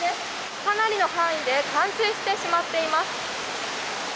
かなりの範囲で冠水してしまっています。